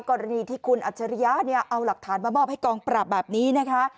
กรณีที่คุณอัจฉริยะเนี่ยเอาหลักฐานมามอบให้กองปราบแบบนี้นะคะ